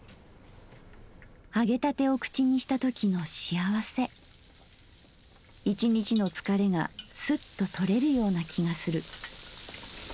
揚げたてを口にしたときのしあわせ一日の疲れがスッと取れるような気がする」。